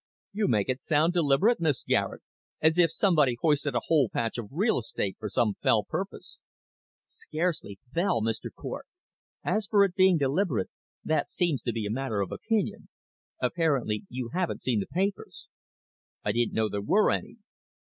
"You make it sound deliberate, Miss Garet, as if somebody hoisted a whole patch of real estate for some fell purpose." "Scarcely fell, Mr. Cort. As for it being deliberate, that seems to be a matter of opinion. Apparently you haven't seen the papers." "I didn't know there were any."